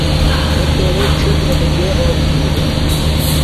سوۡتیݨی ڇِھیترہ تھےۡ کے اول بھی دےۡ؟